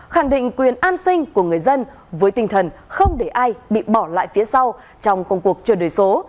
khẳng định quyền an sinh của người dân với tinh thần không để ai bị bỏ lại phía sau trong công cuộc chuyển đổi số